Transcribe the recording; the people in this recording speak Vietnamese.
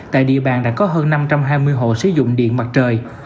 tại địa bàn đã có hơn năm trăm hai mươi hộ sử dụng điện mặt trời